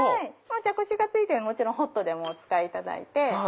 茶こしが付いてるのでもちろんホットでもお使いいただいて。